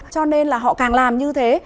cho nên là họ càng làm như thế